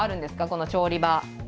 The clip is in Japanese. この調理場で。